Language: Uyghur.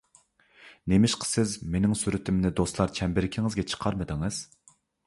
نېمىشقا سىز مىنىڭ سۈرىتىمنى دوستلار چەمبىرىكىڭىزگە چىقارمىدىڭىز؟